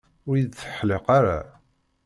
Ur yi-d-teḥliq ara.